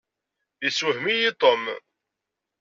Yessewhem-iyi Tom.